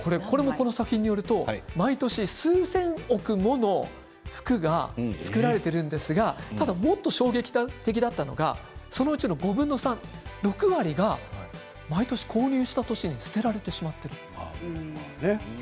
この作品でいうと毎年、数千億もの服が作られているんですが衝撃的だったのが、その５分の３６割が、毎年購入した年に捨てられていると。